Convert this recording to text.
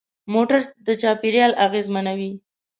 موټر د چاپېریال اغېزمنوي.